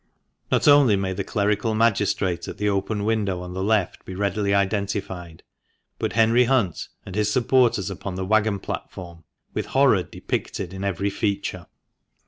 Not only may the clerical magistrate at the open window on the left be readily identified, but Henry Hunt and his supporters upon the waggon platform, with horror depicted in every feature.